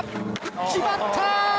決まった！